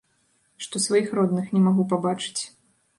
Што сваіх родных не магу пабачыць.